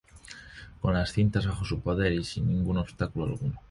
Con las cintas bajo su poder y sin ningún obstáculo alguno.